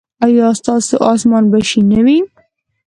ایا ستاسو اسمان به شین نه وي؟